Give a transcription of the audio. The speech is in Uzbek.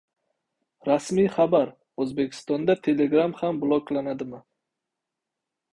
Rasmiy xabar: O‘zbekistonda Telegram ham bloklanadimi?